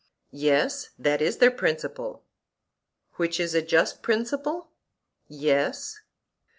Yes; that is their principle. Which is a just principle? Yes.